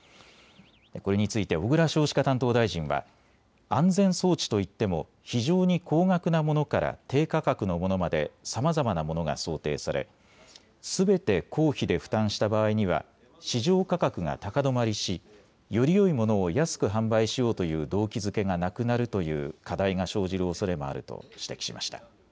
これについて小倉少子化担当大臣は安全装置といっても非常に高額なものから低価格のものまでさまざまなものが想定され、すべて公費で負担した場合には市場価格が高止まりし、よりよいものを安く販売しようという動機づけがなくなるという課題が生じるおそれもあると指摘しました。